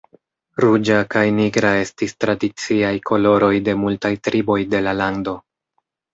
Ruĝa kaj nigra estis tradiciaj koloroj de multaj triboj de la lando.